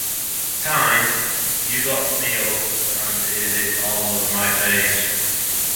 "Time", "U Got Me Up" and "Is It All over My Face".